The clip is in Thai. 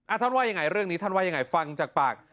ท่านว่ายังไงเรื่องนี้ท่านว่ายังไงฟังจากปาก